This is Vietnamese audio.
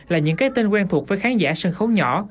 là những cái tên quen thuộc với khán giả sân khấu nhỏ